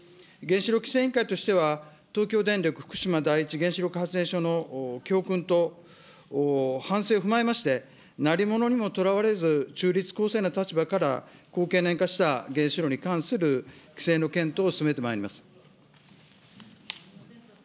原子力規制委員会としては、東京電力福島第一原子力発電所の教訓と反省を踏まえまして、何ものにもとらわれず、中立公正な立場から、高経年化した原子炉に対する規制の検討を進めてまいります。